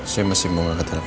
saya masih mau gak keterangan